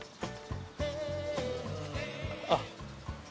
あっ。